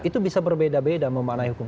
itu bisa berbeda beda memaknai hukum